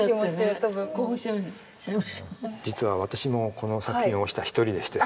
実は私もこの作品を推した一人でして。